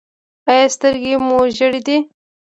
ایا سترګې مو ژیړې دي؟